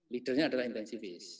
leadernya adalah intensivist